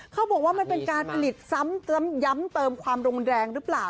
เขาบอกว่ามันการผลิตซ้ำย้ำเติมความโรงแรงรึเปล่า